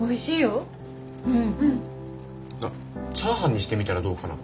うん。あっチャーハンにしてみたらどうかな？